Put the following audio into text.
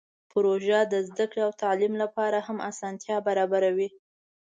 پروژه د زده کړې او تعلیم لپاره هم اسانتیاوې برابروي.